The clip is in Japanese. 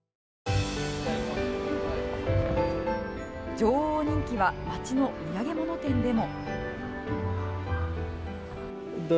女王人気は街の土産物店でも。